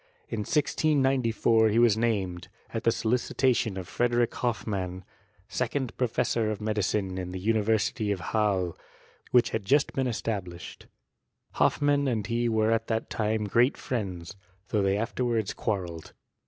In 1694 he was named, at the solicitation of Frederick Hoffmann, second professor of medicine in the University of Halle, which had just been esta blished. Hoffmann and he were at that time great friends, though they afterwards quarrelled.